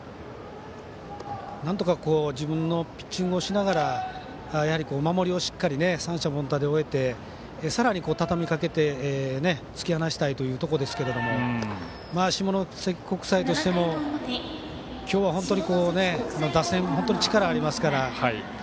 なんとか自分のピッチングをしながら守りをしっかり三者凡退で終えてさらに、たたみかけて突き放したいというところですが下関国際としても今日は本当に打線、本当に力がありますから。